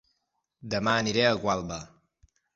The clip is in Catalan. Dema aniré a Gualba